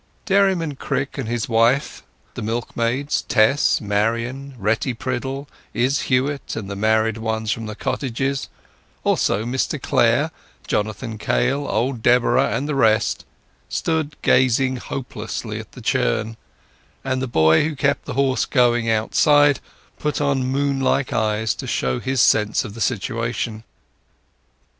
Dairyman Crick and his wife, the milkmaids Tess, Marian, Retty Priddle, Izz Huett, and the married ones from the cottages; also Mr Clare, Jonathan Kail, old Deborah, and the rest, stood gazing hopelessly at the churn; and the boy who kept the horse going outside put on moon like eyes to show his sense of the situation.